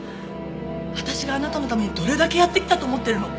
私があなたのためにどれだけやってきたと思ってるの？